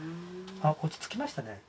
あ落ち着きましたね。